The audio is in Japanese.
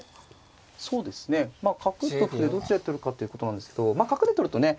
そうですね角と歩どっちで取るかっていうことなんですけど角で取るとね